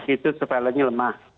itu kesevelennya lemah